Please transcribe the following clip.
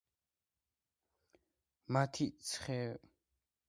მათი ცხედრები აღმოაჩინეს საფლავების გათხრის დროს.